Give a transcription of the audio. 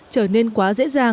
trở nên quả